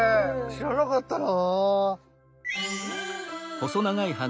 知らなかったな。